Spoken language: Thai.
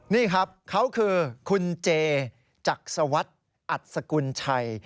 นี่ครับเขาคือคุณเจจากสวรรค์อัตษกุลไชย